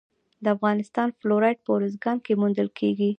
د افغانستان فلورایټ په ارزګان کې موندل کیږي.